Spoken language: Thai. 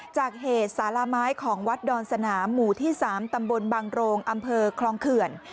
จากเหตุสารไม้ของวัดดอนสนามหมู่ที่๓ตำบลบางโรงอำเภอคลองเขื่อน